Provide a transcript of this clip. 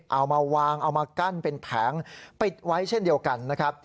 เอามาวางเอามากั้นเป็นแผงปิดไว้เช่นเดียวกันนะครับ